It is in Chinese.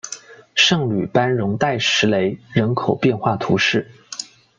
圣吕班代容什雷人口变化图示